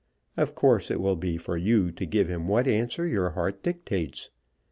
Of course it will be for you to give him what answer your heart dictates.